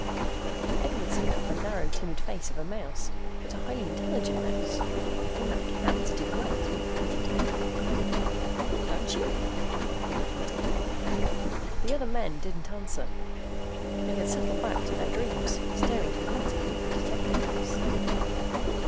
Edwardson had the narrow, timid face of a mouse; but a highly intelligent mouse. One that cats did well to avoid. "Don't you?" he repeated. The other men didn't answer. They had settled back to their dreams, staring hypnotically at the Detector face.